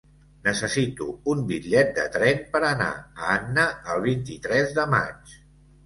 Necessito un bitllet de tren per anar a Anna el vint-i-tres de maig.